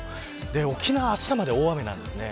沖縄はあしたまで大雨です。